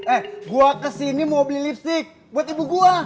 eh gua kesini mau beli lipstick buat ibu gua